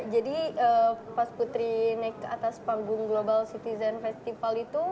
jadi pas putri naik ke atas panggung global citizen festival itu